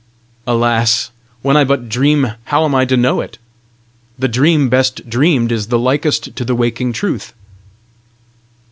"Alas! when I but dream how am I to know it? The dream best dreamed is the likest to the waking truth!"